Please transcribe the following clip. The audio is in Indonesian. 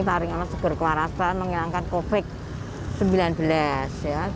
paling enak segera kewarasan menghilangkan covid sembilan belas